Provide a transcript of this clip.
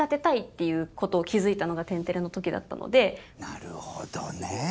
なるほどね！